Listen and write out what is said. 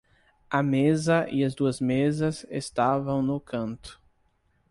A mesa e as duas mesas estavam no canto.